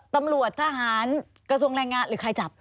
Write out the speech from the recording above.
ตำรวจทหารกระทรวงแรงงานหรือใครจับ